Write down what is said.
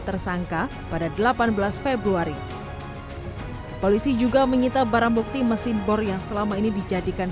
tersangka pada delapan belas februari polisi juga menyita barang bukti mesin bor yang selama ini dijadikan